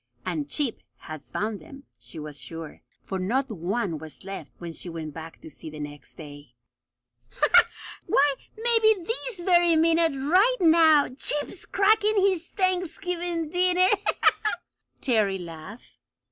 And Chip had found them, she was sure, for not one was left when she went back to see, the next day. "Why, maybe this very minute right now Chip's cracking his Thanksgiving dinner!" Terry laughed.